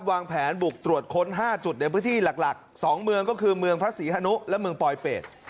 วางแผนบุกตรวจค้น๕จุดในพื้นที่หลัก๒เมืองก็คือเมืองพระศรีฮนุและเมืองปลอยเป็ด